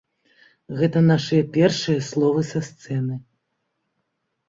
Гэта нашыя першыя словы са сцэны.